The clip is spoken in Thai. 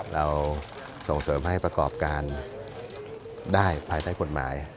เราส่งเสริมให้ประกอบการได้ภายใต้กฎหมาย